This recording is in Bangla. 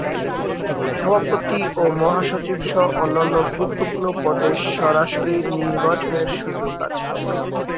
সভাপতি ও মহাসচিব সহ অন্যান্য গুরুত্বপূর্ণ পদে সরাসরি নির্বাচনের সুযোগ আছে।